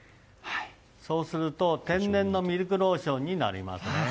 そうすると、天然のミルクローションになります。